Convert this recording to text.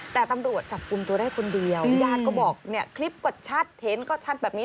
แต่ตำรวจจับกลุ่มตัวได้คนเดียวญาติก็บอกเนี่ยคลิปก็ชัดเห็นก็ชัดแบบนี้